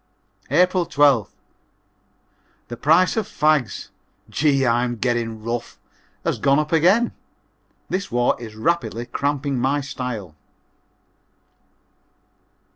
April 12th. The price of fags (gee! I'm getting rough) has gone up again. This war is rapidly cramping my style.